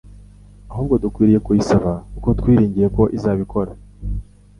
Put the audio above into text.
ahubwo dukwiriye kuyisaba kuko twiringiye ko izabikora,